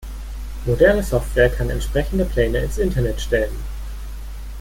Moderne Software kann entsprechende Pläne ins Internet stellen.